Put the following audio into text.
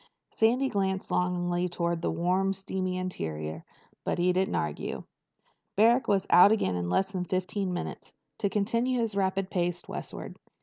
Sandy glanced longingly toward the warm steamy interior, but he didn't argue. Barrack was out again in less than fifteen minutes, to continue his rapid pace westward.